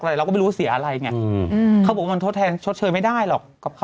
เราก็ไม่รู้ว่าเสียอะไรไงเขาบอกว่ามันทดแทนชดเชยไม่ได้หรอก